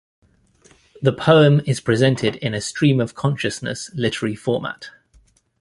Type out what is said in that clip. The poem is presented in a stream of consciousness literary format.